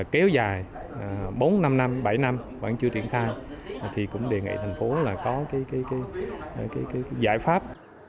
kéo dài bốn năm bảy năm vẫn chưa triển khai thì cũng đề nghị thành phố có giải pháp